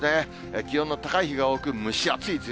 気温の高い日が多く、蒸し暑いでしょう。